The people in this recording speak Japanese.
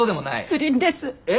不倫です。え！？